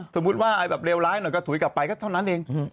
สมมุติว่าแบบเลวร้ายหน่อยก็ถุยกลับไปก็เท่านั้นเอง